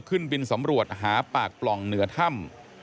ขึ้นบินสำรวจหาปากปล่องเหนือถ้ำ